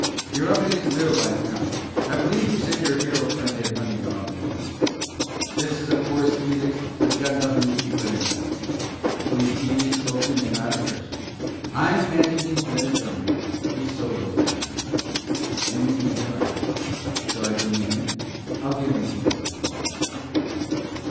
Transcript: You're up against real life now. I believe you said your hero friend had money and automobiles. This is a poor skeezicks that's got nothing to eat but an onion. But he's easy spoken and not a freshy. I imagine he's been a gentleman, he's so low down now. And we need the onion. Shall I bring him in? I'll guarantee his behavior."